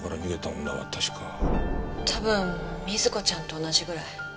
多分瑞子ちゃんと同じぐらい。